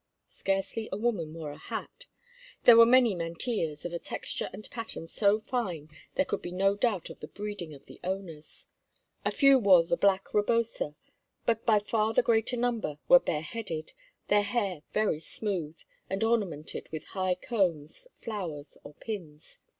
Scarcely a woman wore a hat. There were many mantillas, of a texture and pattern so fine there could be no doubt of the breeding of the owners. A few wore the black rebosa, but by far the greater number were bareheaded, their hair very smooth, and ornamented with high combs, flowers, or pins.